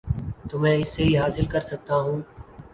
تو میں اس سے یہ حاصل کر سکتا ہوں۔